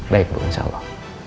baik bu insya allah